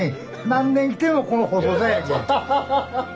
何年来てもこの細さやけ。